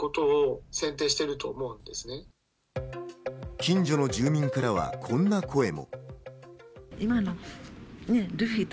近所の住民からは、こんな声も。